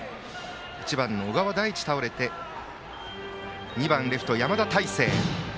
１番の小川大地が倒れて２番レフトの山田太成。